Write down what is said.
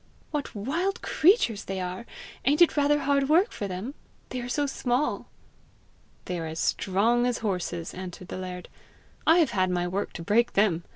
"What wild creatures they are! Ain't it rather hard work for them? They are so small!" "They are as strong as horses," answered the laird. "I have had my work to break them!